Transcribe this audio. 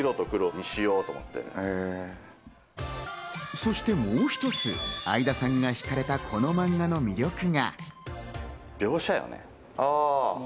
そしてもう一つ、相田さんが惹かれた、このマンガの魅力が。